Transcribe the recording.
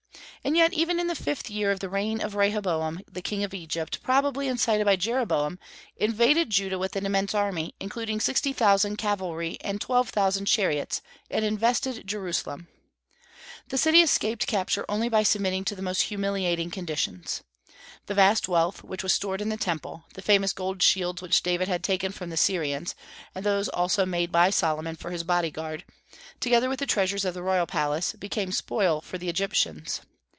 And yet even in the fifth year of the reign of Rehoboam, the king of Egypt, probably incited by Jeroboam, invaded Judah with an immense army, including sixty thousand cavalry and twelve hundred chariots, and invested Jerusalem. The city escaped capture only by submitting to the most humiliating conditions. The vast wealth which was stored in the Temple, the famous gold shields which David had taken from the Syrians, and those also made by Solomon for his body guard, together with the treasures of the royal palace, became spoil for the Egyptians.